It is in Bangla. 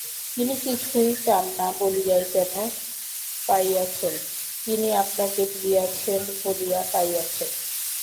তিনি কিছুই চান না বলিয়াই যেন পাইয়াছেন–তিনি আপনাকে দিয়াছেন বলিয়া পাইয়াছেন।